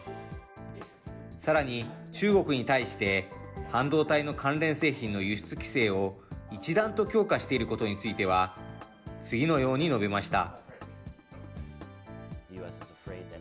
さらに、中国に対して、半導体の関連製品の輸出規制を一段と強化していることについては、次のように述べました。